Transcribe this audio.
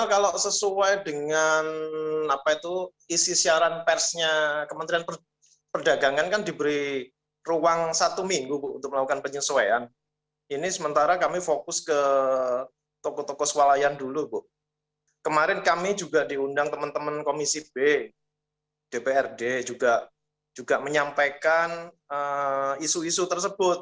kita juga mengakui keadaan isu isu tersebut